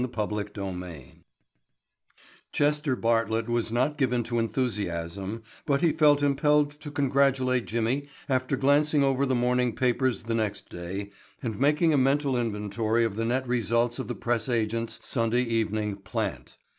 Chapter Twenty Four Chester Bartlett was not given to enthusiasm, but he felt impelled to congratulate Jimmy after glancing over the morning papers the next day and making a mental inventory of the net results of the press agent's Sunday evening "plant."